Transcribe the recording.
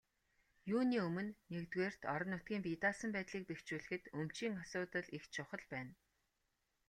Юуны өмнө, нэгдүгээрт, орон нутгийн бие даасан байдлыг бэхжүүлэхэд өмчийн асуудал их чухал байна.